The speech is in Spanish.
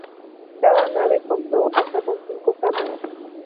Cada nave contó hasta con cinco cámaras.